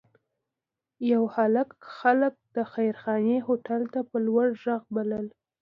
یو هلک خلک د خیرخانې هوټل ته په لوړ غږ بلل.